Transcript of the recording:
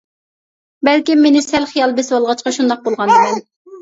بەلكىم مېنى سەل خىيال بېسىۋالغاچقا شۇنداق بولغاندىمەن.